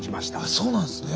そうなんすね。